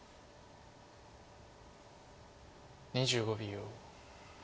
２５秒。